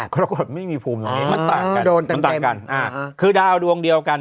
กรกฎไม่มีภูมิว่าไงมันต่างกันคือดาวดวงเดียวกัน